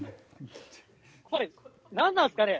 これ、何なんですかね。